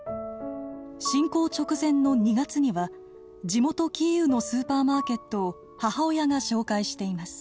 侵攻直前の２月には地元キーウのスーパーマーケットを母親が紹介しています。